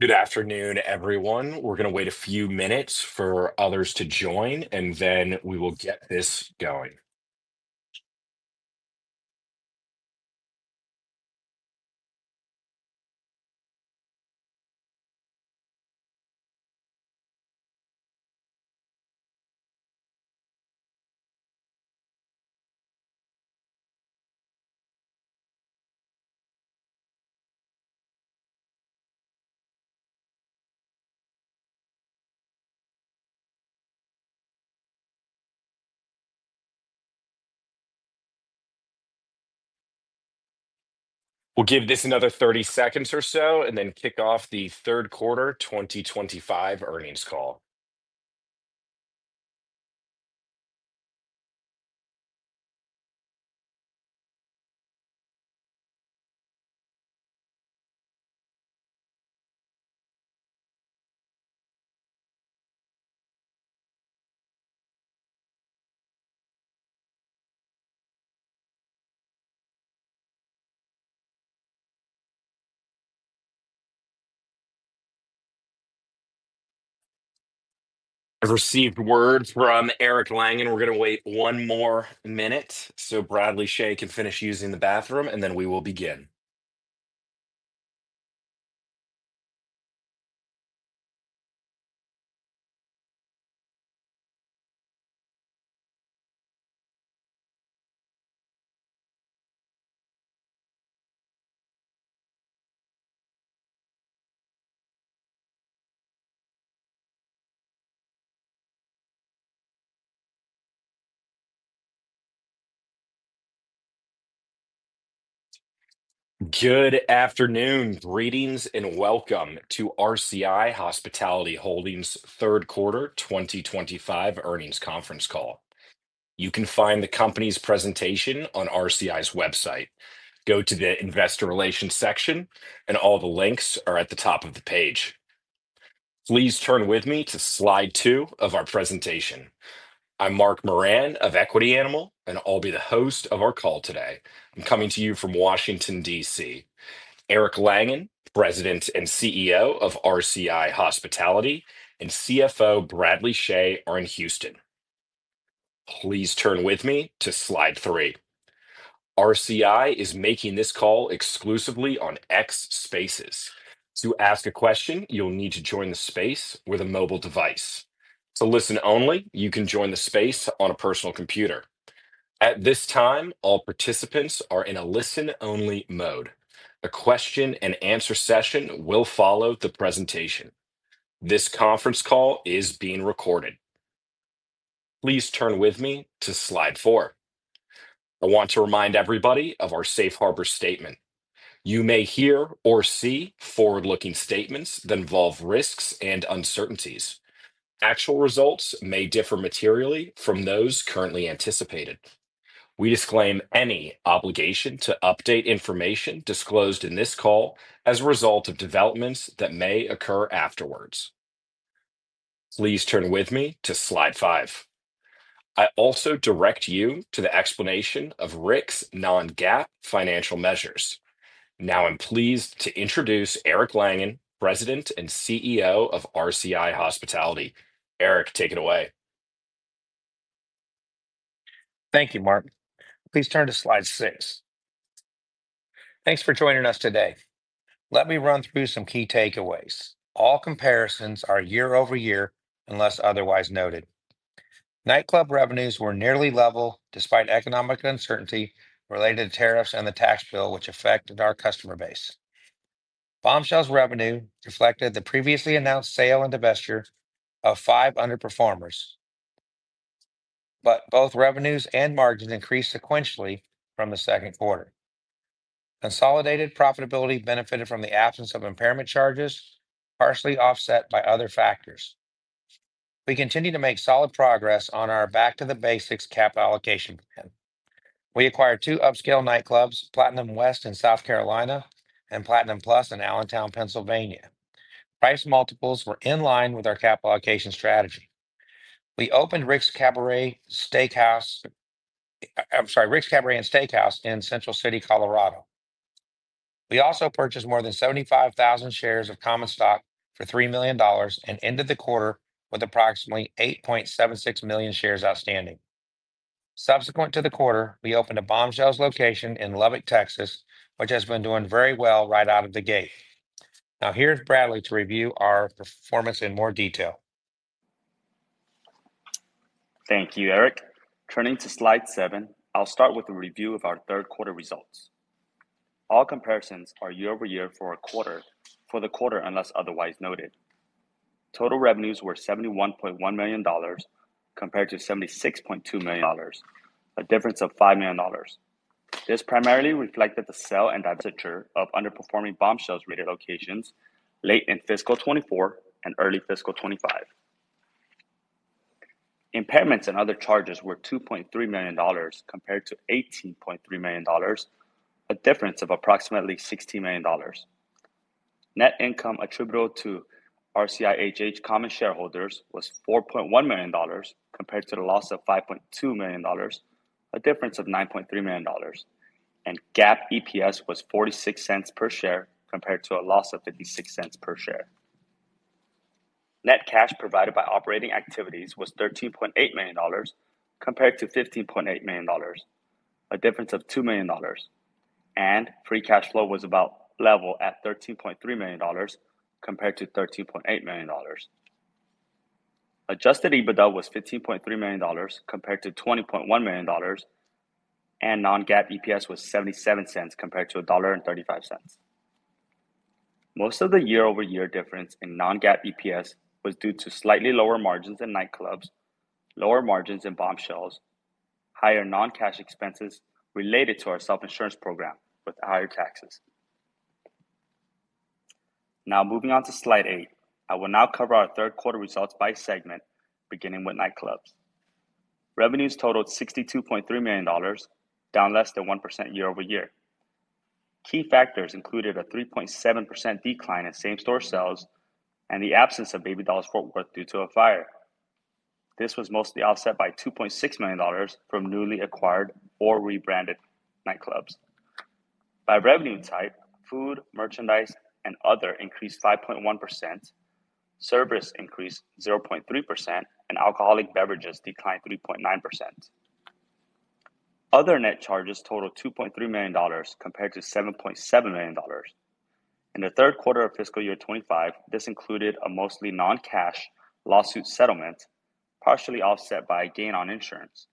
Good afternoon, everyone. We're going to wait a few minutes for others to join, and then we will get this going. We'll give this another 30 seconds or so, and then kick off the third quarter 2025 earnings call. I've received word from Eric Langan. We're going to wait one more minute so Bradley Chhay can finish using the bathroom, and then we will begin. Good afternoon, greetings, and welcome to RCI Hospitality Holdings Third Quarter 2025 Earnings Conference Call. You can find the company's presentation on RCI's website. Go to the investor relations section, and all the links are at the top of the page. Please turn with me to slide two of our presentation. I'm Mark Moran of Equity Animal, and I'll be the host of our call today. I'm coming to you from Washington, D.C. Eric Langan, President and CEO of RCI Hospitality and CFO Bradley Chhay are in Houston. Please turn with me to slide three. RCI is making this call exclusively on X Spaces. To ask a question, you'll need to join the space with a mobile device. To listen only, you can join the space on a personal computer. At this time, all participants are in a listen-only mode. A question and answer session will follow the presentation. This conference call is being recorded. Please turn with me to slide four. I want to remind everybody of our safe harbor statement. You may hear or see forward-looking statements that involve risks and uncertainties. Actual results may differ materially from those currently anticipated. We disclaim any obligation to update information disclosed in this call as a result of developments that may occur afterwards. Please turn with me to slide five. I also direct you to the explanation of REIT's non-GAAP financial measures. Now I'm pleased to introduce Eric Langan, President and CEO of RCI Hospitality Holdings Inc. Eric, take it away. Thank you, Mark. Please turn to slide six. Thanks for joining us today. Let me run through some key takeaways. All comparisons are year-over-year unless otherwise noted. Nightclub revenues were nearly level despite economic uncertainty related to tariffs and the tax bill, which affected our customer base. Bombshells' revenue reflected the previously announced sale and divestiture of five underperformers. Both revenues and margins increased sequentially from the second quarter. Consolidated profitability benefited from the absence of impairment charges, partially offset by other factors. We continue to make solid progress on our back-to-the-basics cap allocation plan. We acquired two upscale nightclubs, Platinum West in South Carolina and Platinum Plus in Allentown, Pennsylvania. Price multiples were in line with our cap allocation strategy. We opened Rick's Cabaret & Steakhouse in Central City, Colorado. We also purchased more than 75,000 shares of common stock for $3 million and ended the quarter with approximately 8.76 million shares outstanding. Subsequent to the quarter, we opened a Bombshells location in Lubbock, Texas, which has been doing very well right out of the gate. Now here's Bradley to review our performance in more detail. Thank you, Eric. Turning to slide seven, I'll start with a review of our third quarter results. All comparisons are year-over-year for the quarter unless otherwise noted. Total revenues were $71.1 million compared to $76.2 million, a difference of $5 million. This primarily reflected the sale and divestiture of underperforming Bombshells rated locations late in fiscal 2024 and early fiscal 2025. Impairments and other charges were $2.3 million compared to $18.3 million, a difference of approximately $16 million. Net income attributable to RCIH common shareholders was $4.1 million compared to the loss of $5.2 million, a difference of $9.3 million, and GAAP EPS was $0.46 per share compared to a loss of $0.56 per share. Net cash provided by operating activities was $13.8 million compared to $15.8 million, a difference of $2 million, and free cash flow was about level at $13.3 million compared to $13.8 million. Adjusted EBITDA was $15.3 million compared to $20.1 million, and non-GAAP EPS was $0.77 compared to $1.35. Most of the year-over-year difference in non-GAAP EPS was due to slightly lower margins in nightclubs, lower margins in Bombshells, and higher non-cash expenses related to our captive insurance program with higher taxes. Now moving on to slide eight, I will now cover our third quarter results by segment, beginning with nightclubs. Revenues totaled $62.3 million, down less than 1% year-over-year. Key factors included a 3.7% decline in same-store sales and the absence of Baby Dolls worth due to a fire. This was mostly offset by $2.6 million from newly acquired or rebranded nightclubs. By revenue type, food, merchandise, and other increased 5.1%, service increased 0.3%, and alcoholic beverages declined 3.9%. Other net charges totaled $2.3 million compared to $7.7 million. In the third quarter of fiscal year 2025, this included a mostly non-cash lawsuit settlement, partially offset by a gain on insurance.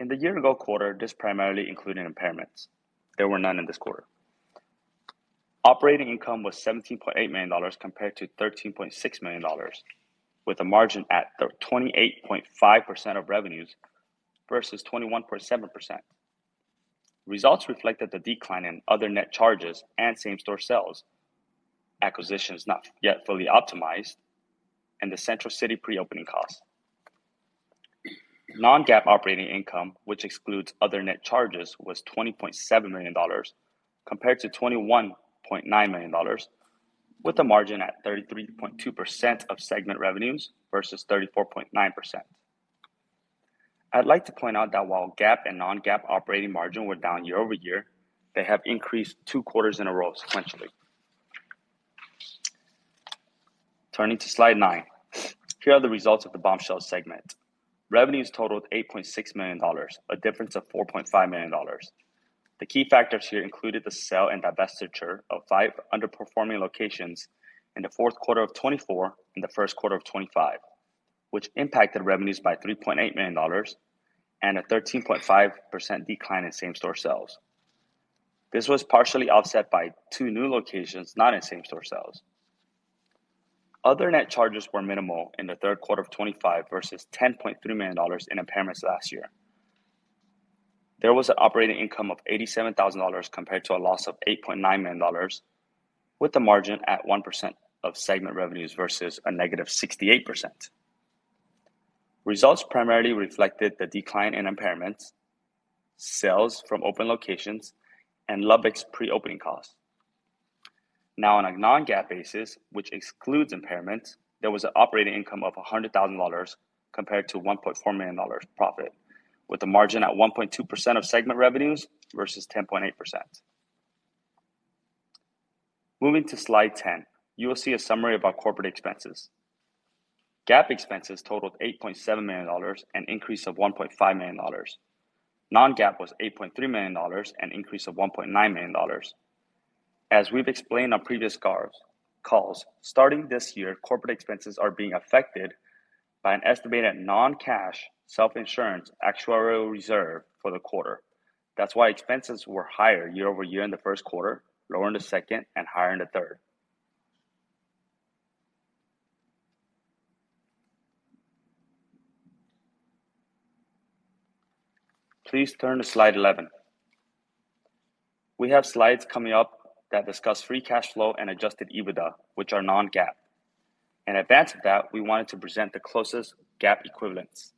In the year-ago quarter, this primarily included impairments. There were none in this quarter. Operating income was $17.8 million compared to $13.6 million, with a margin at 28.5% of revenues versus 21.7%. Results reflected the decline in other net charges and same-store sales, acquisitions not yet fully optimized, and the Central City pre-opening costs. Non-GAAP operating income, which excludes other net charges, was $20.7 million compared to $21.9 million, with a margin at 33.2% of segment revenues versus 34.9%. I'd like to point out that while GAAP and non-GAAP operating margins were down year-over-year, they have increased two quarters in a row sequentially. Turning to slide nine, here are the results of the Bombshells segment. Revenues totaled $8.6 million, a difference of $4.5 million. The key factors here included the sale and divestiture of five underperforming locations in the fourth quarter of 2024 and the first quarter of 2025, which impacted revenues by $3.8 million and a 13.5% decline in same-store sales. This was partially offset by two new locations not in same-store sales. Other net charges were minimal in the third quarter of 2025 versus $10.3 million in impairments last year. There was an operating income of $87,000 compared to a loss of $8.9 million, with a margin at 1% of segment revenues versus a -68%. Results primarily reflected the decline in impairments, sales from open locations, and Lubbock's pre-opening costs. Now, on a non-GAAP basis, which excludes impairments, there was an operating income of $100,000 compared to $1.4 million profit, with a margin at 1.2% of segment revenues versus 10.8%. Moving to slide 10, you will see a summary about corporate expenses. GAAP expenses totaled $8.7 million, an increase of $1.5 million. Non-GAAP was $8.3 million, an increase of $1.9 million. As we've explained on previous calls, starting this year, corporate expenses are being affected by an estimated non-cash self-insurance actuarial reserve for the quarter. That's why expenses were higher year-over-year in the first quarter, lower in the second, and higher in the third. Please turn to slide 11. We have slides coming up that discuss free cash flow and adjusted EBITDA, which are non-GAAP. In advance of that, we wanted to present the closest GAAP equivalents,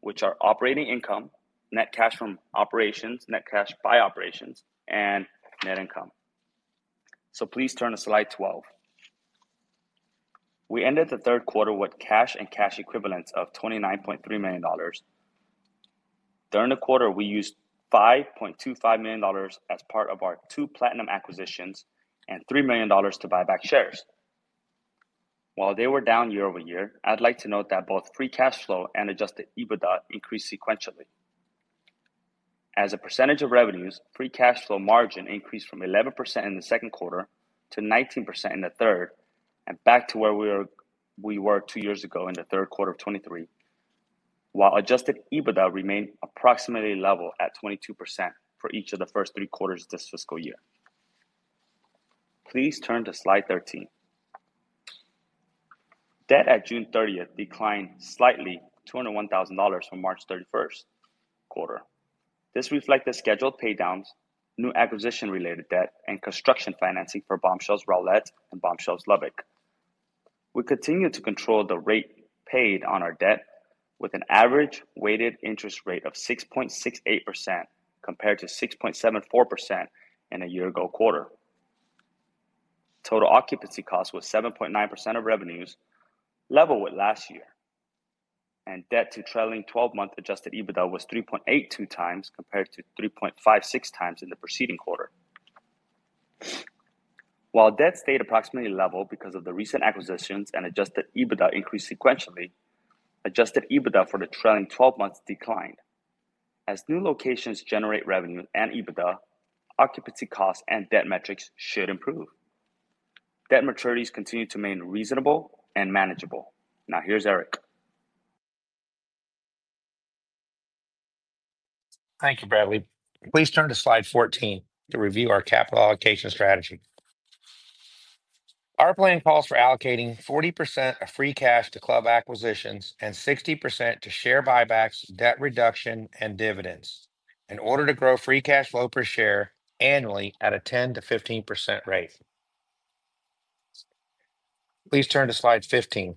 which are operating income, net cash from operations, net cash by operations, and net income. Please turn to slide 12. We ended the third quarter with cash and cash equivalents of $29.3 million. During the quarter, we used $5.25 million as part of our two Platinum acquisitions and $3 million to buy back shares. While they were down year-over-year, I'd like to note that both free cash flow and adjusted EBITDA increased sequentially. As a percentage of revenues, free cash flow margin increased from 11% in the second quarter to 19% in the third, and back to where we were two years ago in the third quarter of 2023, while adjusted EBITDA remained approximately level at 22% for each of the first three quarters of this fiscal year. Please turn to slide 13. Debt at June 30th declined slightly to $21,000 from the March 31st quarter. This reflected scheduled paydowns, new acquisition-related debt, and construction financing for Bombshells Rowlett and Bombshells Lubbock. We continued to control the rate paid on our debt with an average weighted interest rate of 6.68% compared to 6.74% in a year-ago quarter. Total occupancy cost was 7.9% of revenues, level with last year, and debt to trailing 12-month adjusted EBITDA was 3.82x compared to 3.56x in the preceding quarter. While debt stayed approximately level because of the recent acquisitions and adjusted EBITDA increased sequentially, adjusted EBITDA for the trailing 12 months declined. As new locations generate revenue and EBITDA, occupancy costs and debt metrics should improve. Debt maturities continue to remain reasonable and manageable. Now here's Eric. Thank you, Bradley. Please turn to slide 14 to review our capital allocation strategy. Our plan calls for allocating 40% of free cash to club acquisitions and 60% to share buybacks, debt reduction, and dividends in order to grow free cash flow per share annually at a 10%-15% rate. Please turn to slide 15.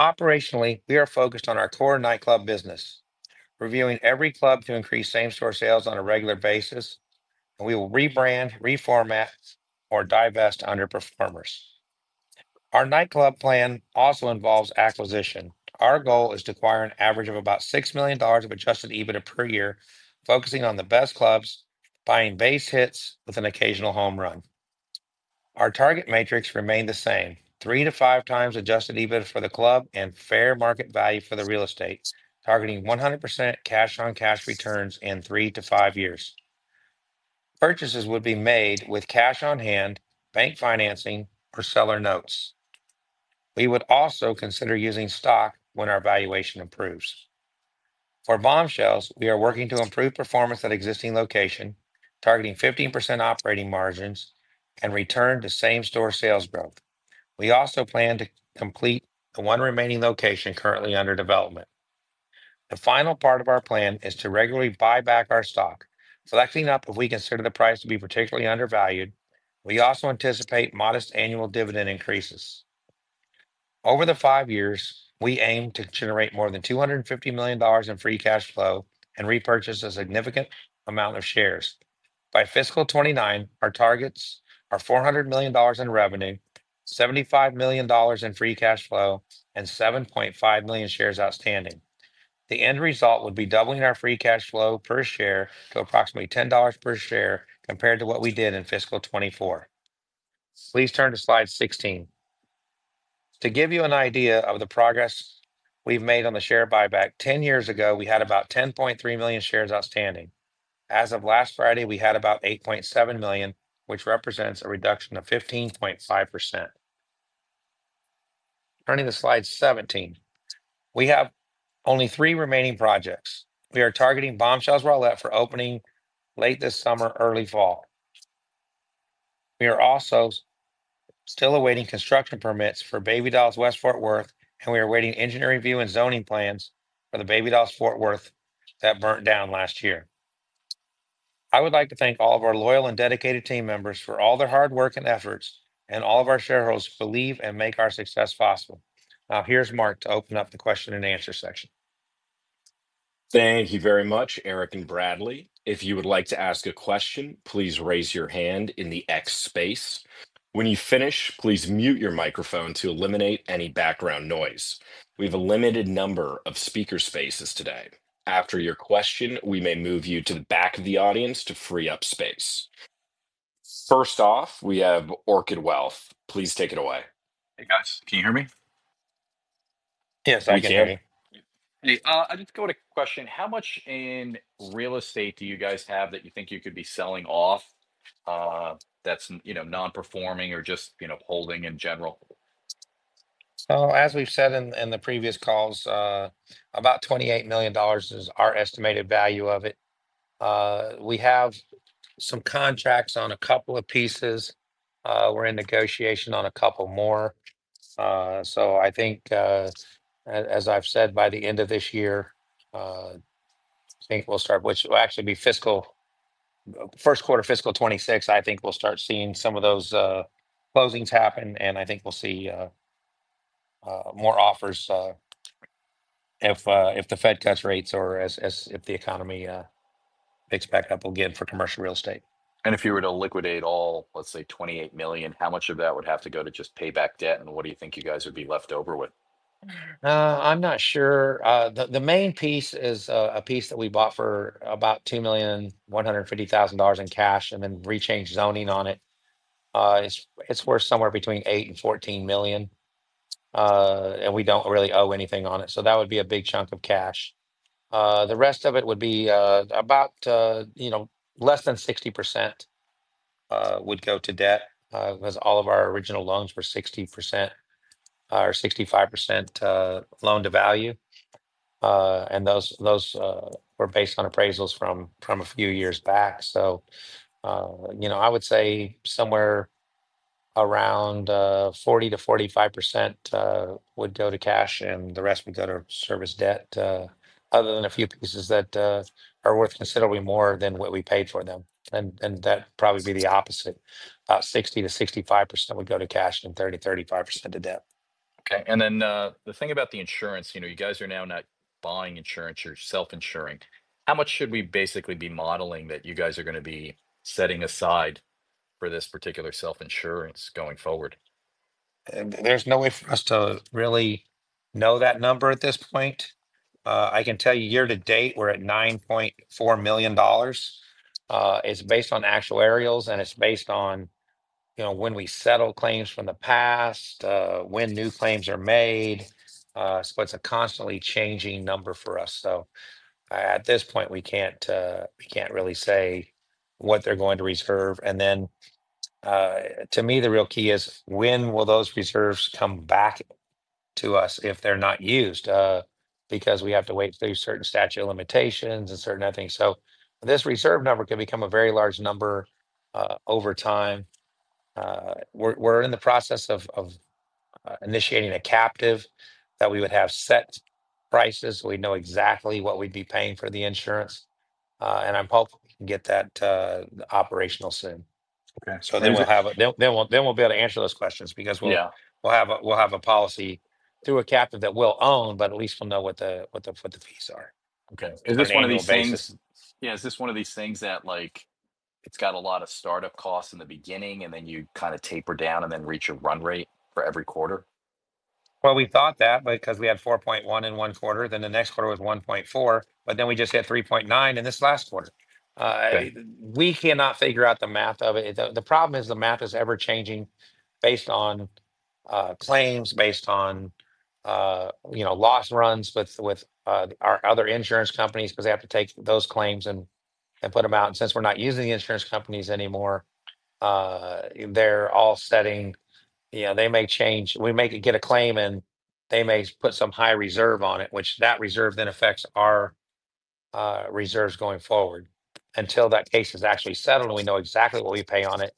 Operationally, we are focused on our core nightclub business, reviewing every club to increase same-store sales on a regular basis, and we will rebrand, reformat, or divest underperformers. Our nightclub plan also involves acquisition. Our goal is to acquire an average of about $6 million of adjusted EBITDA per year, focusing on the best clubs, buying base hits with an occasional home run. Our target matrix remained the same, 3x-5x adjusted EBITDA for the club and fair market value for the real estate, targeting 100% cash-on-cash returns in three to five years. Purchases would be made with cash on hand, bank financing, or seller notes. We would also consider using stock when our valuation improves. For Bombshells, we are working to improve performance at existing locations, targeting 15% operating margins and return to same-store sales growth. We also plan to complete the one remaining location currently under development. The final part of our plan is to regularly buy back our stock, selecting up if we consider the price to be particularly undervalued. We also anticipate modest annual dividend increases. Over the five years, we aim to generate more than $250 million in free cash flow and repurchase a significant amount of shares. By fiscal 2029, our targets are $400 million in revenue, $75 million in free cash flow, and 7.5 million shares outstanding. The end result would be doubling our free cash flow per share to approximately $10 per share compared to what we did in fiscal 2024. Please turn to slide 16. To give you an idea of the progress we've made on the share buyback, 10 years ago, we had about 10.3 million shares outstanding. As of last Friday, we had about 8.7 million, which represents a reduction of 15.5%. Turning to slide 17, we have only three remaining projects. We are targeting Bombshells Rowlett for opening late this summer, early fall. We are also still awaiting construction permits for Baby Dolls West Fort Worth, and we are awaiting engineering review and zoning plans for the Baby Dolls Fort Worth that burnt down last year. I would like to thank all of our loyal and dedicated team members for all their hard work and efforts, and all of our shareholders who believe and make our success possible. Now here's Mark to open up the question and answer section. Thank you very much, Eric and Bradley. If you would like to ask a question, please raise your hand in the X space. When you finish, please mute your microphone to eliminate any background noise. We have a limited number of speaker spaces today. After your question, we may move you to the back of the audience to free up space. First off, we have Orchid Wealth. Please take it away. Hey guys, can you hear me? Yes, I can hear you. I just got a question. How much in real estate do you guys have that you think you could be selling off that's non-performing or just holding in general? As we've said in the previous calls, about $28 million is our estimated value of it. We have some contracts on a couple of pieces. We're in negotiation on a couple more. I think, as I've said, by the end of this year, I think we'll start, which will actually be fiscal first quarter, fiscal 2026. I think we'll start seeing some of those closings happen, and I think we'll see more offers if the Fed cuts rates or if the economy picks back up again for commercial real estate. If you were to liquidate all, let's say, $28 million, how much of that would have to go to just pay back debt, and what do you think you guys would be left over with? I'm not sure. The main piece is a piece that we buffer about $2,150,000 in cash and then rechange zoning on it. It's worth somewhere between $8 million and $14 million, and we don't really owe anything on it. That would be a big chunk of cash. The rest of it would be about, you know, less than 60% would go to debt because all of our original loans were 60% or 65% loan to value, and those were based on appraisals from a few years back. I would say somewhere around 40%-45% would go to cash, and the rest would go to service debt, other than a few pieces that are worth considerably more than what we paid for them. That'd probably be the opposite. About 60%-65% would go to cash and 30%-35% to debt. Okay. The thing about the insurance, you know, you guys are now not buying insurance, you're self-insuring. How much should we basically be modeling that you guys are going to be setting aside for this particular self-insurance going forward? There's no way for us to really know that number at this point. I can tell you year-to-date we're at $9.4 million. It's based on actuarials, and it's based on when we settle claims from the past, when new claims are made. It's a constantly changing number for us. At this point, we can't really say what they're going to reserve. To me, the real key is when will those reserves come back to us if they're not used? We have to wait through certain statute of limitations and certain other things. This reserve number could become a very large number over time. We're in the process of initiating a captive that we would have set prices so we know exactly what we'd be paying for the insurance. I'm hoping we can get that operational soon. Okay. We'll be able to answer those questions because we'll have a policy through a captive that we'll own, but at least we'll know what the fees are. Okay. Is this one of these things that like it's got a lot of startup costs in the beginning, and then you kind of taper down and then reach a run rate for every quarter? We thought that because we had $4.1 million in one quarter, then the next quarter was $1.4 million, but then we just had $3.9 million in this last quarter. We cannot figure out the math of it. The problem is the math is ever changing based on claims, based on, you know, loss runs with our other insurance companies because they have to take those claims and put them out. Since we're not using the insurance companies anymore, they're all setting, you know, they may change, we may get a claim and they may put some high reserve on it, which that reserve then affects our reserves going forward until that case is actually settled and we know exactly what we pay on it.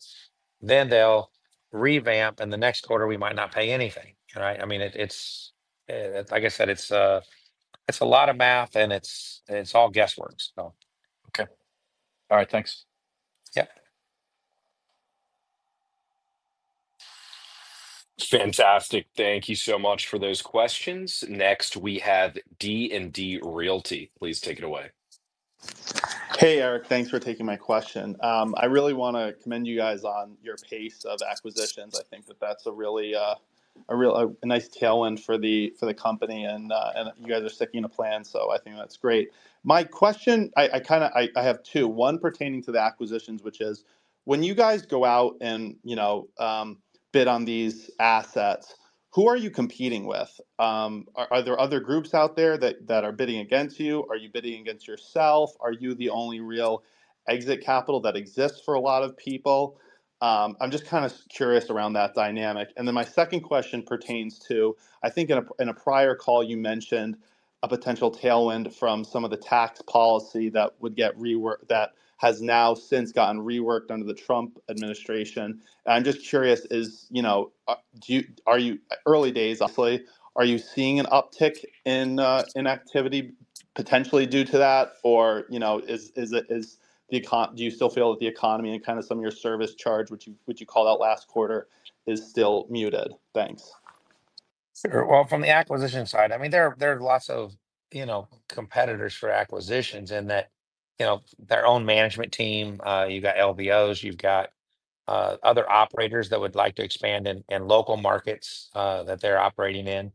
They'll revamp and the next quarter we might not pay anything. Right? I mean, like I said, it's a lot of math and it's all guesswork. Okay, all right, thanks. Yep. Fantastic. Thank you so much for those questions. Next, we have D&D Realty. Please take it away. Hey Eric, thanks for taking my question. I really want to commend you guys on your pace of acquisitions. I think that's a really nice tailwind for the company and you guys are sticking to plan. I think that's great. My question, I have two. One pertaining to the acquisitions, which is when you guys go out and bid on these assets, who are you competing with? Are there other groups out there that are bidding against you? Are you bidding against yourself? Are you the only real exit capital that exists for a lot of people? I'm just curious around that dynamic. My second question pertains to, I think in a prior call you mentioned a potential tailwind from some of the tax policy that would get reworked, that has now since gotten reworked under the Trump administration. I'm just curious, do you, are you, early days hopefully, are you seeing an uptick in activity potentially due to that? Or is the economy, do you still feel that the economy and some of your service charge, which you called out last quarter, is still muted? Thanks. Sure. From the acquisition side, there are lots of competitors for acquisitions in that their own management team. You've got LVOs, you've got other operators that would like to expand in local markets that they're operating in.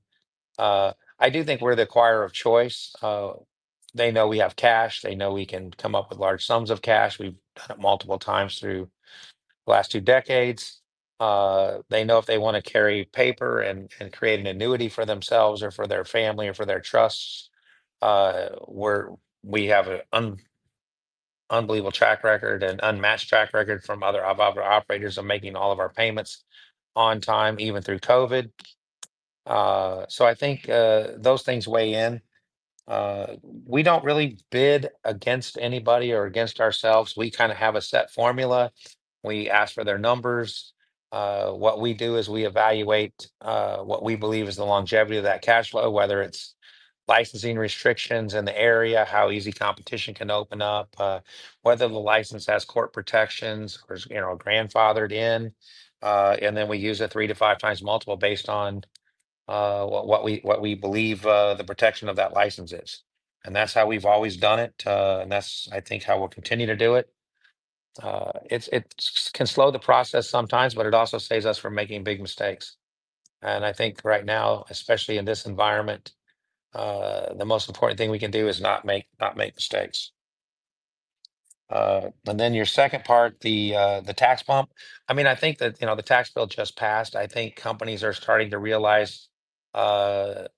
I do think we're the acquirer of choice. They know we have cash. They know we can come up with large sums of cash. We've done it multiple times through the last two decades. They know if they want to carry paper and create an annuity for themselves or for their family or for their trusts, we have an unbelievable track record and unmatched track record from other operators of making all of our payments on time, even through COVID. I think those things weigh in. We don't really bid against anybody or against ourselves. We kind of have a set formula. We ask for their numbers. What we do is we evaluate what we believe is the longevity of that cash flow, whether it's licensing restrictions in the area, how easy competition can open up, whether the license has court protections or grandfathered in. Then we use a 3x-5x multiple based on what we believe the protection of that license is. That's how we've always done it. That's, I think, how we'll continue to do it. It can slow the process sometimes, but it also saves us from making big mistakes. I think right now, especially in this environment, the most important thing we can do is not make mistakes. Your second part, the tax bump. I think that the tax bill just passed. I think companies are starting to realize they've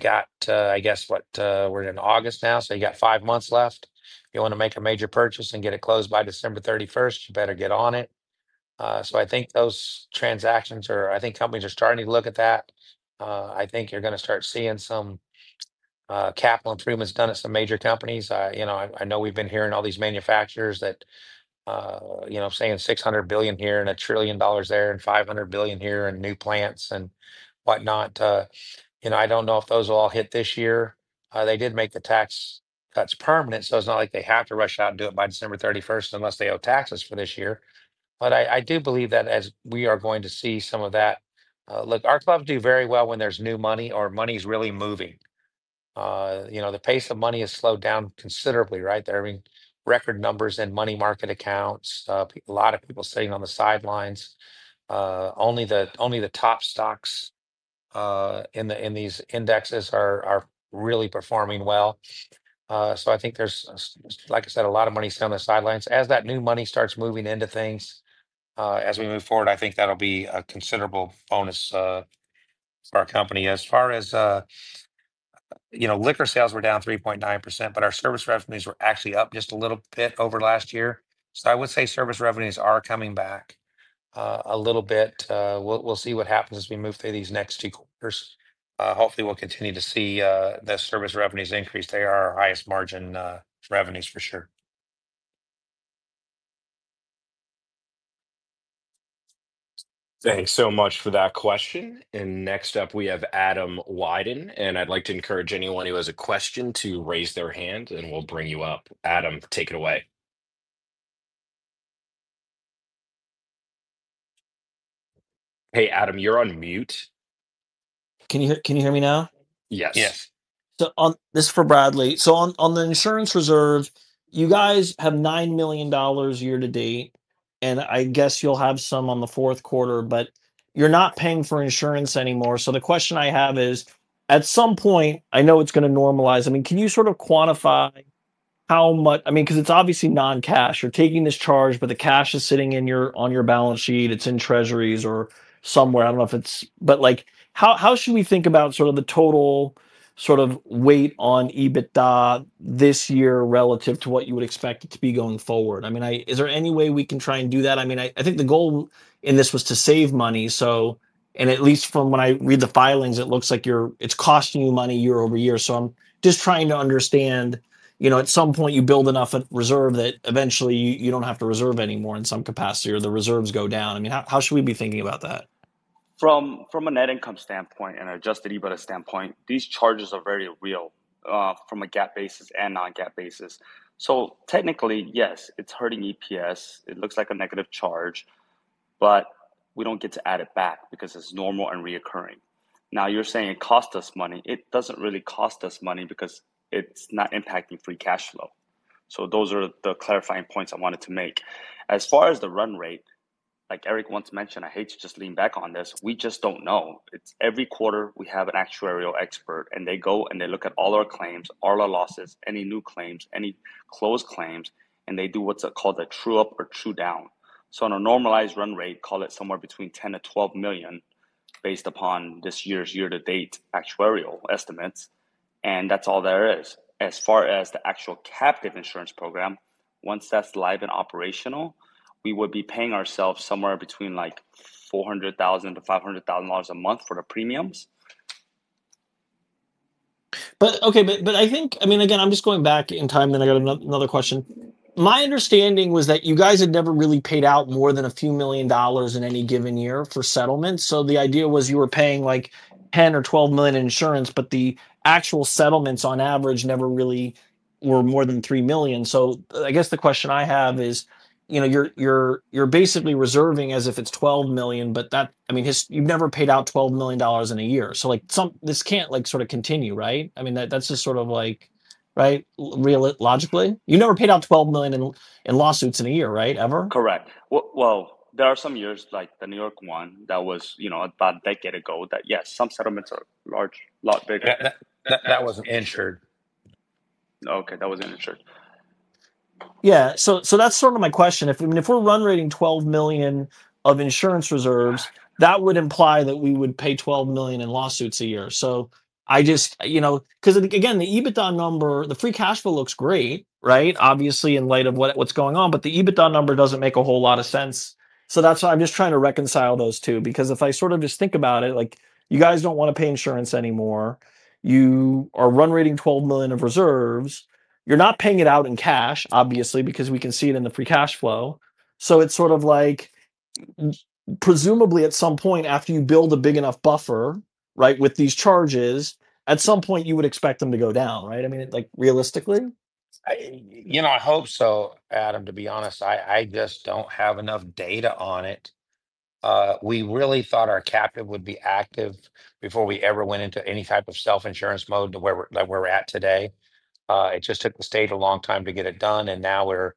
got, I guess, what we're in August now. You've got five months left. You want to make a major purchase and get it closed by December 31st, you better get on it. I think those transactions are, I think companies are starting to look at that. I think you're going to start seeing some capital improvements done at some major companies. I know we've been hearing all these manufacturers that, I'm saying $600 billion here and a trillion dollars there and $500 billion here and new plants and whatnot. I don't know if those will all hit this year. They did make the tax cuts permanent, so it's not like they have to rush out and do it by December 31st unless they owe taxes for this year. I do believe that as we are going to see some of that. Look, our clubs do very well when there's new money or money's really moving. The pace of money has slowed down considerably, right? They're having record numbers in money market accounts, a lot of people sitting on the sidelines. Only the top stocks in these indexes are really performing well. I think there's, like I said, a lot of money sitting on the sidelines. As that new money starts moving into things as we move forward, I think that'll be a considerable bonus for our company. As far as, you know, liquor sales were down 3.9%, but our service revenues were actually up just a little bit over last year. I would say service revenues are coming back a little bit. We'll see what happens as we move through these next two quarters. Hopefully, we'll continue to see the service revenues increase. They are our highest margin revenues for sure. Thanks so much for that question. Next up, we have Adam Wyden. I'd like to encourage anyone who has a question to raise their hand, and we'll bring you up. Adam, take it away. Hey Adam, you're on mute. Can you hear me now? Yes. Yes. This is for Bradley. On the insurance reserve, you guys have $9 million year-to-date, and I guess you'll have some on the fourth quarter, but you're not paying for insurance anymore. The question I have is, at some point, I know it's going to normalize. Can you sort of quantify how much, because it's obviously non-cash? You're taking this charge, but the cash is sitting on your balance sheet. It's in treasuries or somewhere. I don't know if it's, but how should we think about the total sort of weight on EBITDA this year relative to what you would expect it to be going forward? Is there any way we can try and do that? I think the goal in this was to save money. At least from when I read the filings, it looks like it's costing you money year-over-year. I'm just trying to understand, at some point you build enough reserve that eventually you don't have to reserve anymore in some capacity or the reserves go down. How should we be thinking about that? From a net income standpoint and adjusted EBITDA standpoint, these charges are very real from a GAAP basis and non-GAAP basis. Technically, yes, it's hurting EPS. It looks like a negative charge, but we don't get to add it back because it's normal and recurring. Now you're saying it costs us money. It doesn't really cost us money because it's not impacting free cash flow. Those are the clarifying points I wanted to make. As far as the run rate, like Eric once mentioned, I hate to just lean back on this. We just don't know. Every quarter we have an actuarial expert, and they go and they look at all our claims, all our losses, any new claims, any closed claims, and they do what's called a true up or true down. On a normalized run rate, call it somewhere between $10 million-$12 million based upon this year's year-to-date actuarial estimates. That's all there is. As far as the actual captive insurance program, once that's live and operational, we would be paying ourselves somewhere between $400,000-$500,000 a month for the premiums. I think, I mean, again, I'm just going back in time, and then I got another question. My understanding was that you guys had never really paid out more than a few million dollars in any given year for settlements. The idea was you were paying like $10 million or $12 million in insurance, but the actual settlements on average never really were more than $3 million. I guess the question I have is, you know, you're basically reserving as if it's $12 million, but that, I mean, you've never paid out $12 million in a year. This can't sort of continue, right? I mean, that's just sort of, right, real logically. You never paid out $12 million in lawsuits in a year, right? Ever? Correct. There are some years, like the New York one that was, you know, about a decade ago, that, yes, some settlements are a lot bigger. That wasn't insured. Okay, that was not insured. Yeah, so that's sort of my question. I mean, if we're run rating $12 million of insurance reserves, that would imply that we would pay $12 million in lawsuits a year. I just, you know, because again, the EBITDA number, the free cash flow looks great, right? Obviously, in light of what's going on, but the EBITDA number doesn't make a whole lot of sense. That's why I'm just trying to reconcile those two, because if I sort of just think about it, like you guys don't want to pay insurance anymore. You are run rating $12 million of reserves. You're not paying it out in cash, obviously, because we can see it in the free cash flow. It's sort of like, presumably at some point after you build a big enough buffer, right, with these charges, at some point you would expect them to go down, right? I mean, like realistically? You know, I hope so, Adam, to be honest, I just don't have enough data on it. We really thought our captive would be active before we ever went into any type of self-insurance mode to where we're at today. It just took the state a long time to get it done, and now we're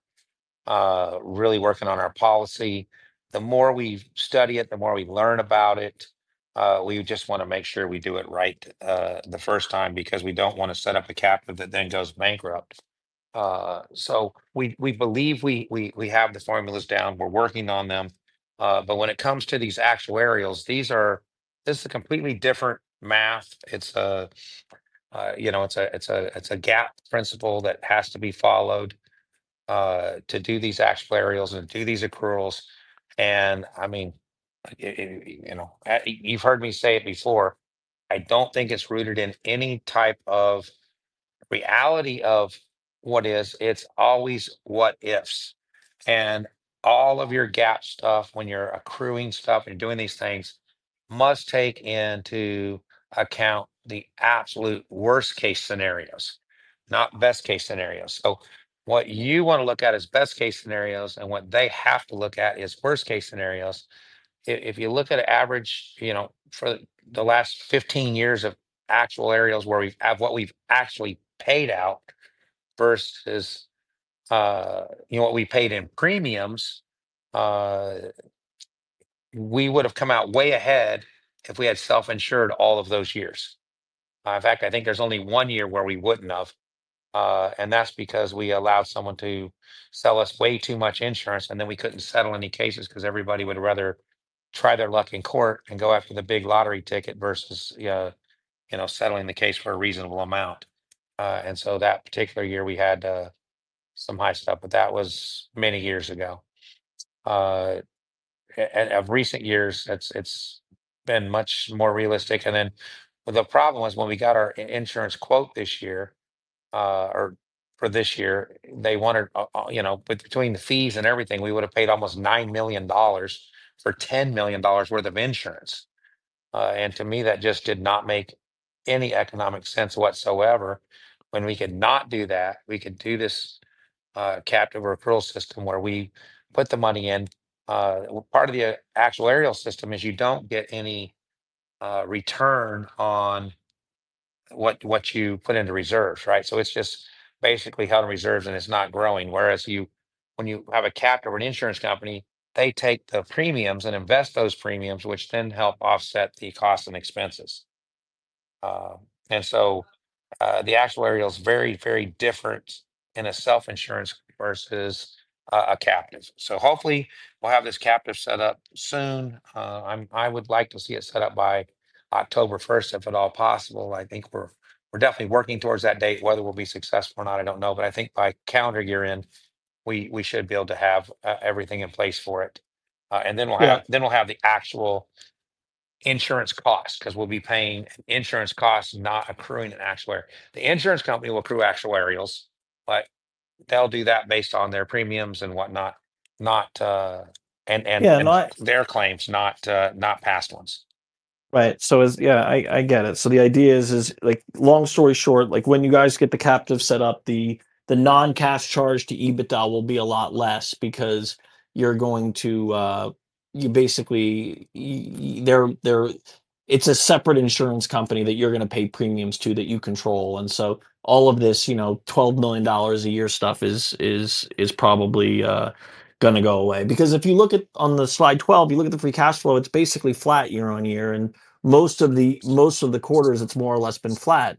really working on our policy. The more we study it, the more we learn about it. We just want to make sure we do it right the first time because we don't want to set up a captive that then goes bankrupt. We believe we have the formulas down. We're working on them. When it comes to these actuarials, this is a completely different math. It's a GAAP principle that has to be followed to do these actuarials and to do these accruals. I mean, you've heard me say it before. I don't think it's rooted in any type of reality of what is. It's always what ifs. All of your GAAP stuff, when you're accruing stuff and you're doing these things, must take into account the absolute worst-case scenarios, not best-case scenarios. What you want to look at is best-case scenarios, and what they have to look at is worst-case scenarios. If you look at an average for the last 15 years of actuarials where we have what we've actually paid out versus what we paid in premiums, we would have come out way ahead if we had self-insured all of those years. In fact, I think there's only one year where we wouldn't have. That's because we allowed someone to sell us way too much insurance, and then we couldn't settle any cases because everybody would rather try their luck in court and go after the big lottery ticket versus settling the case for a reasonable amount. That particular year we had some high stuff, but that was many years ago. Of recent years, it's been much more realistic. The problem was when we got our insurance quote this year, or for this year, they wanted, between the fees and everything, we would have paid almost $9 million for $10 million worth of insurance. To me, that just did not make any economic sense whatsoever. When we could not do that, we could do this captive accrual system where we put the money in. Part of the actuarial system is you don't get any return on what you put into reserves, right? It's just basically held in reserves and it's not growing. Whereas when you have a captive or an insurance company, they take the premiums and invest those premiums, which then help offset the costs and expenses. The actuarial is very, very different in a self-insurance versus a captive. Hopefully we'll have this captive set up soon. I would like to see it set up by October 1st, if at all possible. I think we're definitely working towards that date. Whether we'll be successful or not, I don't know. I think by calendar year end, we should be able to have everything in place for it. Then we'll have the actual insurance costs because we'll be paying insurance costs, not accruing an actuarial. The insurance company will accrue actuarials, but they'll do that based on their premiums and whatnot, not their claims, not past ones. Right. I get it. The idea is, long story short, when you guys get the captive set up, the non-cash charge to EBITDA will be a lot less because you're going to, you basically, it's a separate insurance company that you're going to pay premiums to that you control. All of this, you know, $12 million a year stuff is probably going to go away. If you look at, on slide 12, you look at the free cash flow, it's basically flat year-on-year. Most of the quarters, it's more or less been flat.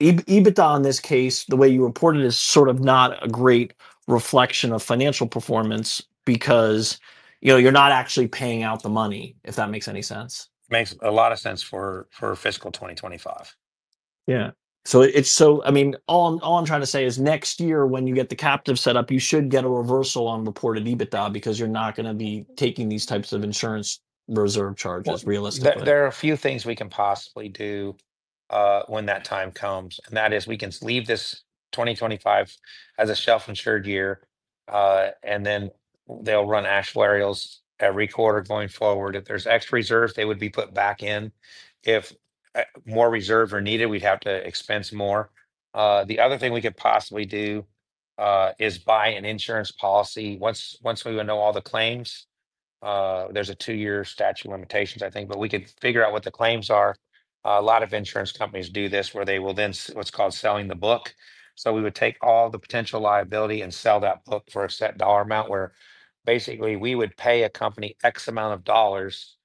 EBITDA in this case, the way you report it is sort of not a great reflection of financial performance because, you know, you're not actually paying out the money, if that makes any sense. Makes a lot of sense for fiscal 2025. Yeah, all I'm trying to say is next year when you get the captive set up, you should get a reversal on reported EBITDA because you're not going to be taking these types of insurance reserve charges realistically. There are a few things we can possibly do when that time comes. That is, we can leave this 2025 as a self-insured year, and then they'll run actuarials every quarter going forward. If there's X reserves, they would be put back in. If more reserves are needed, we'd have to expense more. The other thing we could possibly do is buy an insurance policy. Once we would know all the claims, there's a two-year statute of limitations, I think, but we could figure out what the claims are. A lot of insurance companies do this where they will then, what's called selling the book. We would take all the potential liability and sell that book for a set dollar amount where basically we would pay a company X amount of dollars,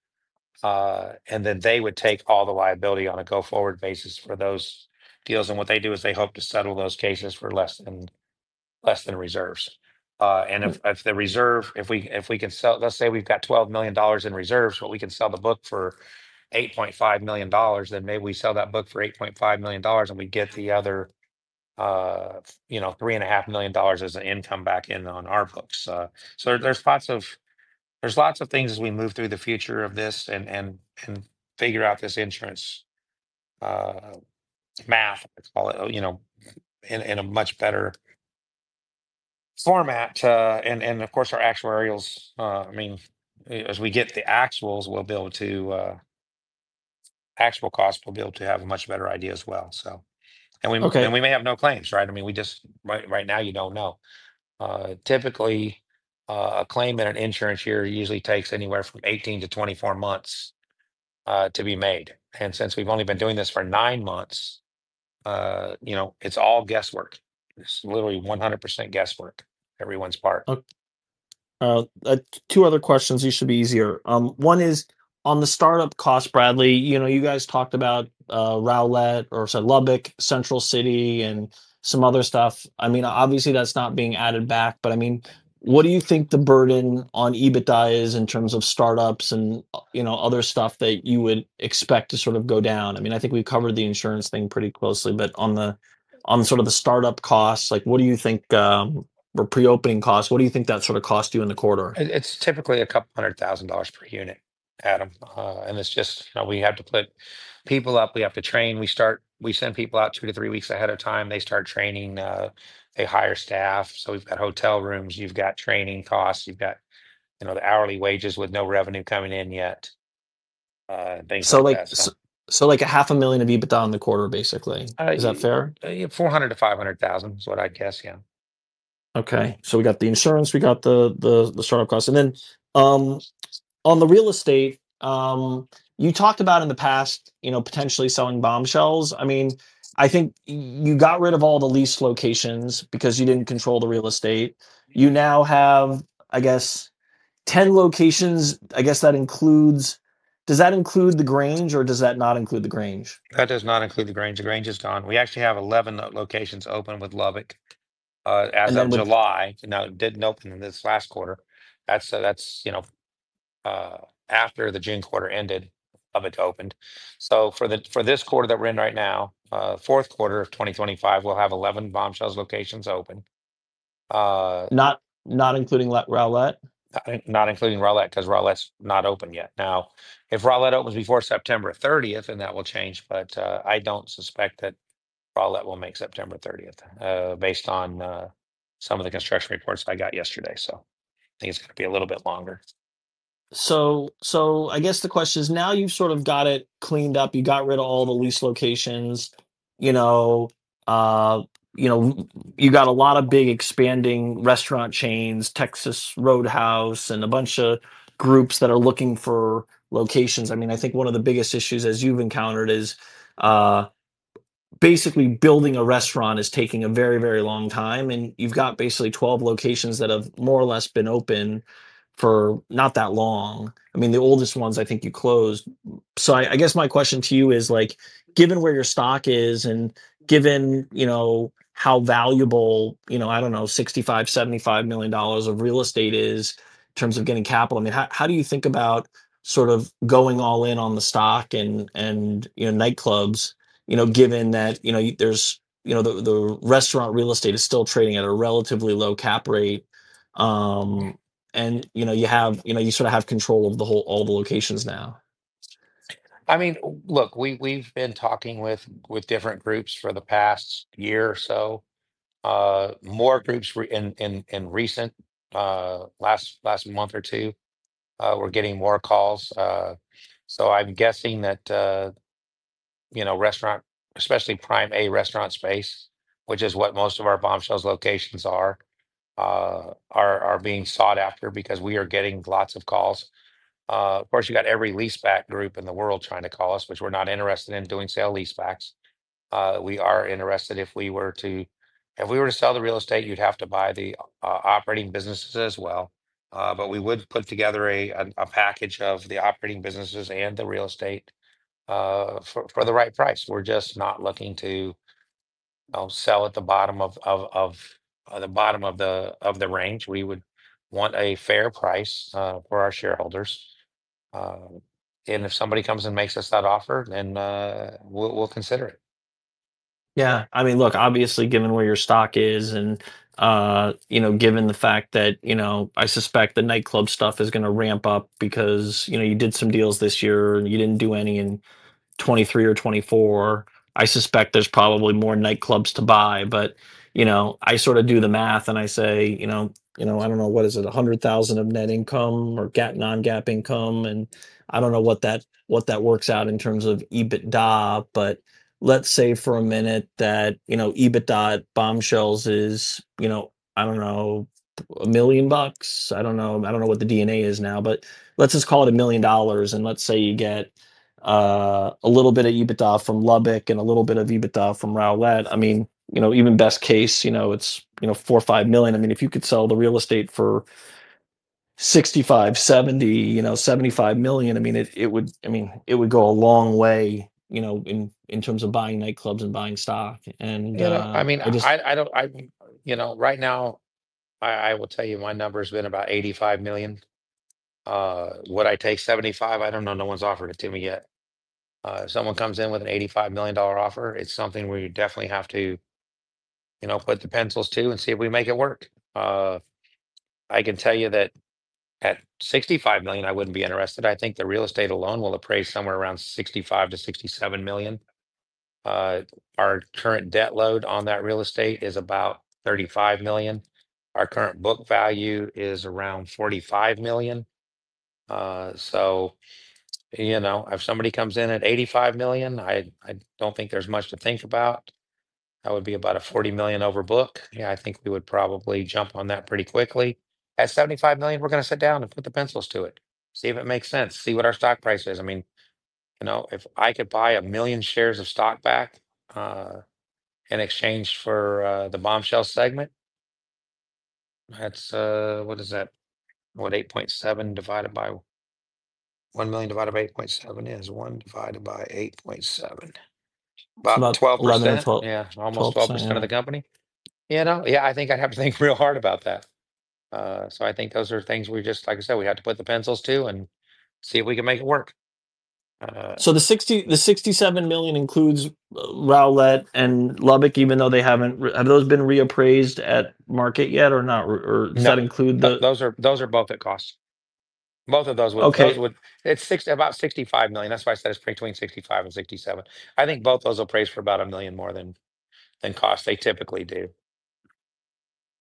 and then they would take all the liability on a go-forward basis for those deals. What they do is they hope to settle those cases for less than reserves. If the reserve, if we can sell, let's say we've got $12 million in reserves, but we can sell the book for $8.5 million, then maybe we sell that book for $8.5 million and we get the other $3.5 million as an income back in on our books. There are lots of things as we move through the future of this and figure out this insurance math in a much better format. Of course, our actuarials, I mean, as we get the actuals, we'll be able to, actual costs, we'll be able to have a much better idea as well. We may have no claims, right? I mean, we just, right now you don't know. Typically, a claim in an insurance year usually takes anywhere from 18 months-24 months to be made. Since we've only been doing this for nine months, it's all guesswork. It's literally 100% guesswork, everyone's part. Two other questions. These should be easier. One is on the startup cost, Bradley, you know, you guys talked about Rowlett or said Lubbock, Central City, and some other stuff. Obviously that's not being added back, but what do you think the burden on EBITDA is in terms of startups and other stuff that you would expect to sort of go down? I think we covered the insurance thing pretty closely, but on the sort of the startup costs, like what do you think, or pre-opening costs, what do you think that sort of cost you in the quarter? It's typically a couple hundred thousand dollars per unit, Adam. It's just, you know, we have to put people up, we have to train. We send people out two to three weeks ahead of time, they start training, they hire staff. We've got hotel rooms, you've got training costs, you've got, you know, the hourly wages with no revenue coming in yet. Like a half a million of EBITDA on the quarter, basically. Is that fair? Yeah, $400,000-$500,000 is what I guess, yeah. Okay, we got the insurance, we got the startup costs. On the real estate, you talked about in the past, you know, potentially selling Bombshells. I think you got rid of all the lease locations because you didn't control the real estate. You now have, I guess, 10 locations. I guess that includes, does that include the Grange, or does that not include the Grange? That does not include the Grange. The Grange is gone. We actually have 11 locations open with Lubbock as of July. No, it didn't open this last quarter. That is, after the June quarter ended, Lubbock opened. For this quarter that we're in right now, fourth quarter of 2025, we'll have 11 Bombshells locations open. Not including Rowlett? Not including Rowlett because Rowlett's not open yet. If Rowlett opens before September 30th, then that will change, but I don't suspect that Rowlett will make September 30th based on some of the construction reports that I got yesterday. I think it's going to be a little bit longer. I guess the question is now you've sort of got it cleaned up. You got rid of all the lease locations. You know, you've got a lot of big expanding restaurant chains, Texas Roadhouse, and a bunch of groups that are looking for locations. I think one of the biggest issues as you've encountered is basically building a restaurant is taking a very, very long time. You've got basically 12 locations that have more or less been open for not that long. The oldest ones I think you closed. I guess my question to you is, given where your stock is and given how valuable, I don't know, $65 million, $75 million of real estate is in terms of getting capital, how do you think about sort of going all in on the stock and nightclubs, given that the restaurant real estate is still trading at a relatively low cap rate, and you have, you sort of have control of the whole, all the locations now. I mean, look, we've been talking with different groups for the past year or so. More groups in recent, last month or two, we're getting more calls. I'm guessing that, you know, restaurant, especially Prime A restaurant space, which is what most of our Bombshells locations are, are being sought after because we are getting lots of calls. Of course, you've got every leaseback group in the world trying to call us, which we're not interested in doing sale-leasebacks. We are interested if we were to, if we were to sell the real estate, you'd have to buy the operating businesses as well. We would put together a package of the operating businesses and the real estate for the right price. We're just not looking to sell at the bottom of the range. We would want a fair price for our shareholders. If somebody comes and makes us that offer, we'll consider it. Yeah. I mean, look, obviously given where your stock is and, you know, given the fact that, you know, I suspect the nightclub stuff is going to ramp up because you did some deals this year and you didn't do any in 2023 or 2024. I suspect there's probably more nightclubs to buy, but I sort of do the math and I say, you know, I don't know, what is it, $100,000 of net income or non-GAAP income? And I don't know what that works out in terms of EBITDA, but let's say for a minute that EBITDA at Bombshells is, you know, I don't know, a million bucks. I don't know, I don't know what the DNA is now, but let's just call it a million dollars. And let's say you get a little bit of EBITDA from Lubbock and a little bit of EBITDA from Rowlett. I mean, even best case, it's, you know, $4 million or $5 million. I mean, if you could sell the real estate for $65 million, $70 million, $75 million, it would go a long way in terms of buying nightclubs and buying stock. I do not, you know, right now, I will tell you my number has been about $85 million. Would I take $75 million? I do not know, no one's offered it to me yet. If someone comes in with an $85 million offer, it's something we definitely have to, you know, put the pencils to and see if we make it work. I can tell you that at $65 million, I would not be interested. I think the real estate alone will appraise somewhere around $65 million-$67 million. Our current debt load on that real estate is about $35 million. Our current book value is around $45 million. If somebody comes in at $85 million, I do not think there's much to think about. That would be about a $40 million overbook. I think we would probably jump on that pretty quickly. At $75 million, we are going to sit down and put the pencils to it, see if it makes sense, see what our stock price is. I mean, you know, if I could buy a million shares of stock back in exchange for the Bombshells segment, that's, what is that? What, $8.7 million divided by $1 million divided by $8.7 million is 1 divided by $8.7 million. About 12%. Yeah, almost 12% of the company. I think I'd have to think real hard about that. I think those are things we just, like I said, we have to put the pencils to and see if we can make it work. The $67 million includes Rowlett and Lubbock, even though they haven't, have those been reappraised at market yet or not? Or does that include the. Those are both at cost. Both of those would, it's about $65 million. That's why I said it's between $65 million and $67 million. I think both those appraised for about $1 million more than cost. They typically do.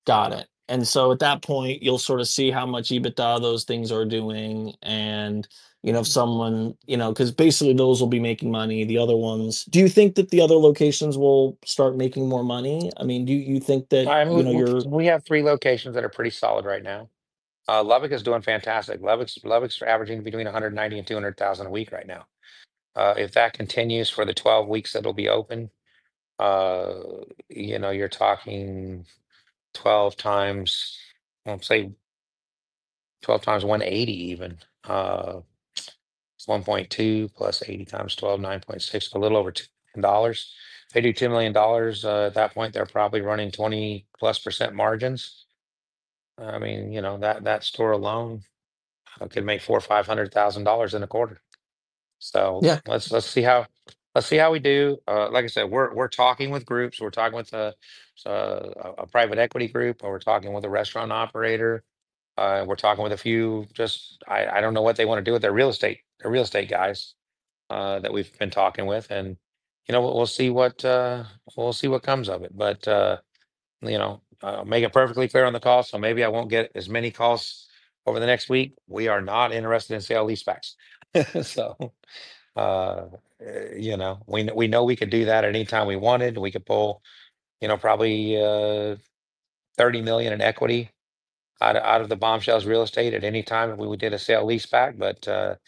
Got it. At that point, you'll sort of see how much EBITDA those things are doing. If someone, because basically those will be making money. The other ones, do you think that the other locations will start making more money? I mean, do you think that, you know. We have three locations that are pretty solid right now. Lubbock is doing fantastic. Lubbock's averaging between $190,000 and $200,000 a week right now. If that continues for the 12 weeks that will be open, you're talking 12x, I'll say 12x $180,000 even. It's $1.2 million + $80,000 x 12, $960,000, a little over $2 million. I do $2 million at that point. They're probably running 20%+ margins. I mean, that store alone could make $400,000, $500,000 in a quarter. Let's see how we do. Like I said, we're talking with groups. We're talking with a private equity group. We're talking with a restaurant operator. We're talking with a few, just I don't know what they want to do with their real estate, their real estate guys that we've been talking with. We'll see what comes of it. Make it perfectly clear on the call, so maybe I won't get as many calls over the next week. We are not interested in sale-leasebacks. We know we could do that at any time we wanted. We could pull probably $30 million in equity out of the Bombshells real estate at any time if we did a sale-leaseback.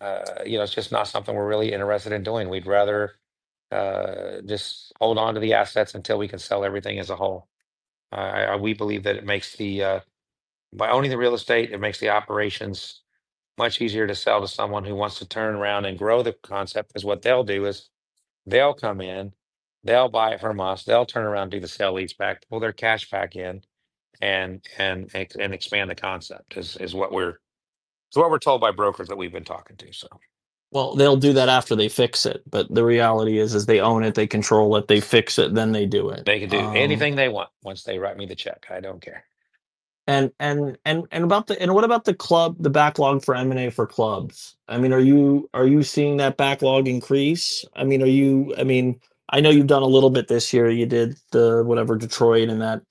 It's just not something we're really interested in doing. We'd rather just hold on to the assets until we can sell everything as a whole. We believe that by owning the real estate, it makes the operations much easier to sell to someone who wants to turn around and grow the concept. What they'll do is they'll come in, they'll buy it from us, they'll turn around and do the sale-leaseback, pull their cash back in, and expand the concept is what we're told by brokers that we've been talking to. They'll do that after they fix it. The reality is they own it, they control it, they fix it, then they do it. They can do anything they want once they write me the check. I don't care. What about the club, the backlog for M&A for clubs? Are you seeing that backlog increase? I know you've done a little bit this year. You did the Detroit and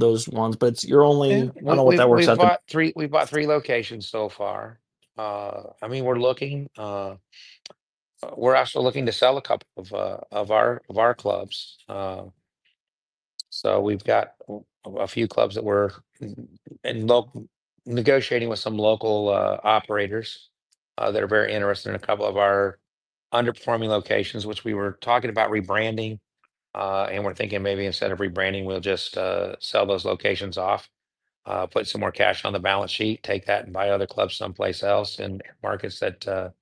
those ones, but you're only, I don't know what that works out. We've got three, we've got three locations so far. I mean, we're looking, we're actually looking to sell a couple of our clubs. We've got a few clubs that we're negotiating with some local operators that are very interested in a couple of our underperforming locations, which we were talking about rebranding. We're thinking maybe instead of rebranding, we'll just sell those locations off, put some more cash on the balance sheet, take that and buy other clubs someplace else in markets that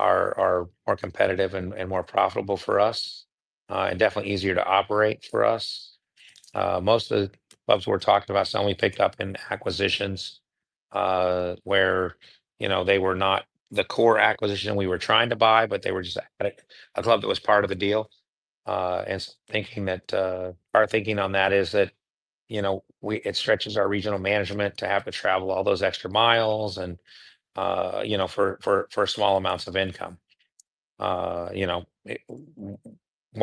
are more competitive and more profitable for us and definitely easier to operate for us. Most of the clubs we're talking about, some we picked up in acquisitions where they were not the core acquisition we were trying to buy, but they were just added, a club that was part of the deal. Our thinking on that is that it stretches our regional management to have to travel all those extra miles for small amounts of income. Why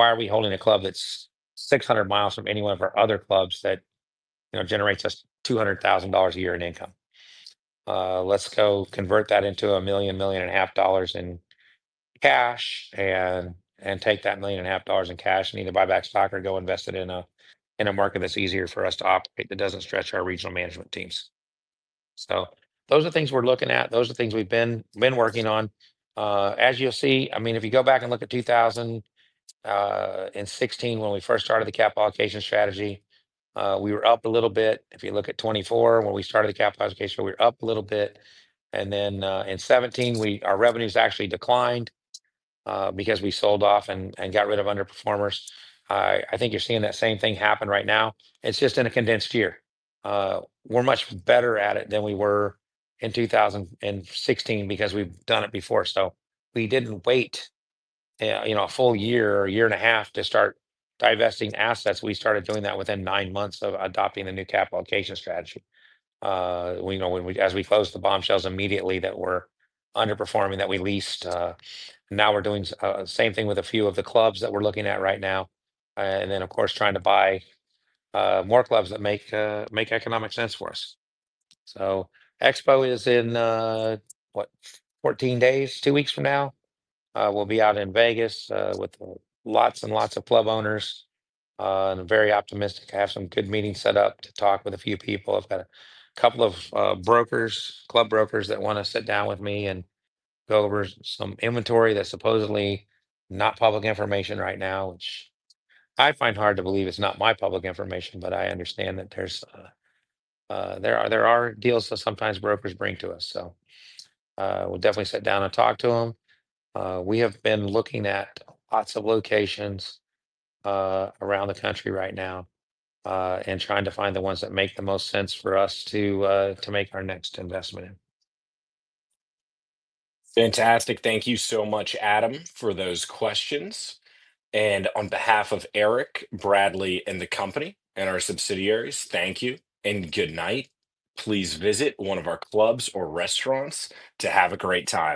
are we holding a club that's 600 mi from any one of our other clubs that generates us $200,000 a year in income? Let's go convert that into $1 million, $1.5 million in cash and take that $1.5 million in cash and either buy back stock or go invest it in a market that's easier for us to operate that doesn't stretch our regional management teams. Those are things we're looking at. Those are things we've been working on. As you'll see, if you go back and look at 2000 and 2016, when we first started the cap allocation strategy, we were up a little bit. If you look at 2024, when we started the cap allocation, we were up a little bit. In 2017, our revenues actually declined because we sold off and got rid of underperformers. I think you're seeing that same thing happen right now. It's just in a condensed year. We're much better at it than we were in 2016 because we've done it before. We didn't wait a full year or a year and a half to start divesting assets. We started doing that within nine months of adopting a new cap allocation strategy. As we closed the Bombshells immediately that were underperforming that we leased, now we're doing the same thing with a few of the clubs that we're looking at right now. Of course, trying to buy more clubs that make economic sense for us. Expo is in, what, 14 days, two weeks from now. We'll be out in Vegas with lots and lots of club owners. I'm very optimistic. I have some good meetings set up to talk with a few people. I've got a couple of brokers, club brokers that want to sit down with me and go over some inventory that's supposedly not public information right now, which I find hard to believe it's not public information, but I understand that there are deals that sometimes brokers bring to us. We'll definitely sit down and talk to them. We have been looking at lots of locations around the country right now and trying to find the ones that make the most sense for us to make our next investment in. Fantastic. Thank you so much, Adam, for those questions. On behalf of Eric, Bradley, and the company and our subsidiaries, thank you and good night. Please visit one of our clubs or restaurants to have a great time.